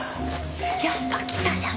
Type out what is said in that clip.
やっぱり来たじゃん